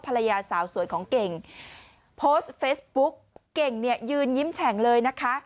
ภรรยาสาวสวยของเก่งโพสต์เฟซบุ๊กเก่งเนี่ยยืนยิ้มแฉ่งเลยนะคะ